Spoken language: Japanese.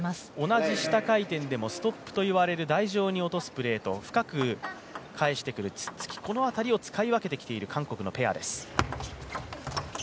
同じ下回転でもストップといわれる台上に落とすプレーと深く返してくるツッツキこの辺りを使い分けてきている韓国のペアです。